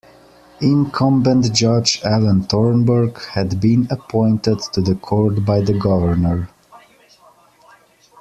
Incumbent Judge Alan Thornburg had been appointed to the court by the Governor.